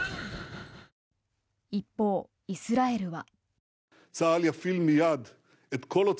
一方、イスラエルは。